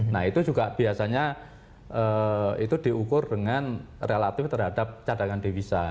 nah itu juga biasanya itu diukur dengan relatif terhadap cadangan devisa